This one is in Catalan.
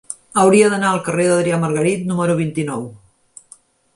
Hauria d'anar al carrer d'Adrià Margarit número vint-i-nou.